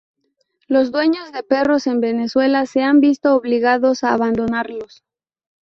Los dueños de perros en Venezuela se han visto obligados a abandonarlos.